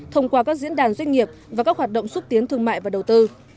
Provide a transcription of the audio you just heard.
thông qua các diễn đàn doanh nghiệp và các hoạt động xúc tiến thương mại và đầu tư